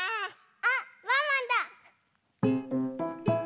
あっワンワンだ！